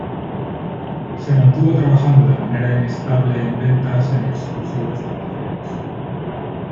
Se mantuvo trabajando de manera inestable en ventas en exclusivos almacenes.